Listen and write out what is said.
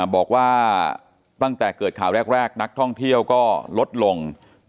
บอกว่าตั้งแต่เกิดข่าวแรกนักท่องเที่ยวก็ลดลง